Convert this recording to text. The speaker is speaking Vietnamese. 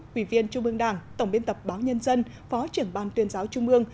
quỷ viên trung ương đảng tổng biên tập báo nhân dân phó trưởng ban tuyên giáo trung ương